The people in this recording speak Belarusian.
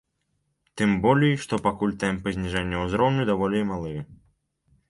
Тым болей, што пакуль тэмпы зніжэння ўзроўню даволі малыя.